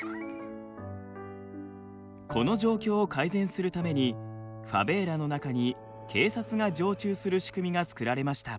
この状況を改善するためにファベーラの中に警察が常駐する仕組みが作られました。